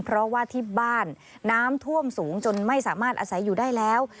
เพราะว่าที่บ้านน้ำท่วมสูงจนไม่สามารถอาศัยอยู่ได้แล้ว